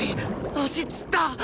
足つった！